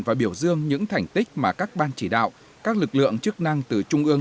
và biểu dương những thành tích mà các ban chỉ đạo các lực lượng chức năng từ trung ương